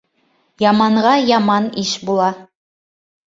Яманға яман иш була.